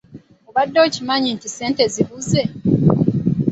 Obadde okimanyi nti ssente zibuze?